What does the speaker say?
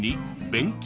勉強？